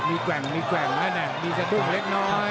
มีแกว่งมีแกว่งนะมีสะดุ้งเล็กน้อย